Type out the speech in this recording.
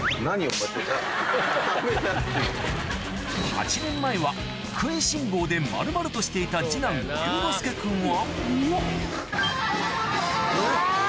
８年前は食いしん坊で丸々としていた次男龍ノ介君は